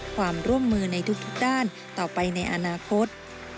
ความร่วมมือในทุกด้านต่อไปในอนาคต